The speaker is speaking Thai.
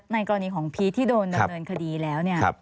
ในกรณีของพีทที่โดนเนินโขดีแล้ว